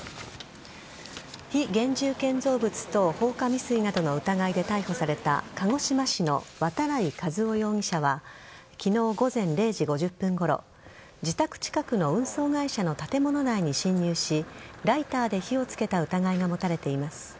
非現住建造物等放火未遂などの疑いで逮捕された鹿児島市の渡来和雄容疑者は昨日午前０時５０分ごろ自宅近くの運送会社の建物内に侵入しライターで火を付けた疑いが持たれています。